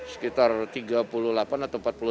sekitar tiga puluh delapan atau